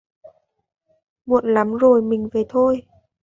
Muộn lắm rồi mình về thôi